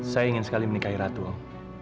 saya ingin sekali menikahi ratu